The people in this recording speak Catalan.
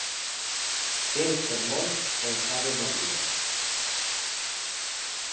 Fer sermons sense Avemaria.